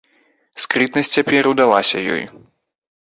Скрытнасць цяпер удалася ёй.